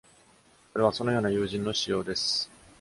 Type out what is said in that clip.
それはそのような友人の使用です。